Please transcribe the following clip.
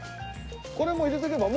これも入れとけば？